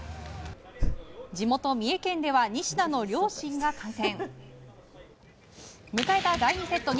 地元・三重県では西田の両親が観戦。